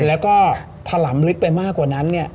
และทะลำลึกไปมากกว่านั้น